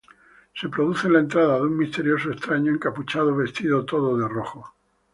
Se produce la entrada de un misterioso extraño encapuchado vestido todo de rojo.